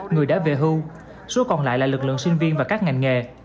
người đã về hưu số còn lại là lực lượng sinh viên và các ngành nghề